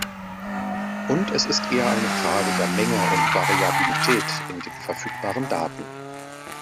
Und es ist eher eine Frage der Menge und Variabilität in den verfügbaren Daten.